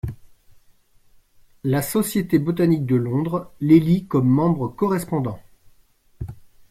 La Société botanique de Londres l’élit comme membre correspondant.